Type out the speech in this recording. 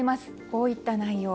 こういった内容。